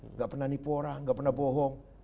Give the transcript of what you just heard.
nggak pernah nipu orang nggak pernah bohong